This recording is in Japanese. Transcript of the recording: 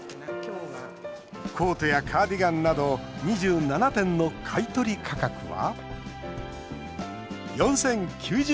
コートやカーディガンなど２７点の買い取り価格は。